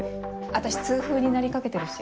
私痛風になりかけてるし。